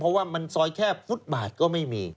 เพราะว่ามันซอยแคบฟุตบาทก็ไม่มี